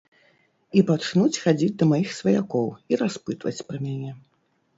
І пачнуць хадзіць да маіх сваякоў і распытваць пра мяне.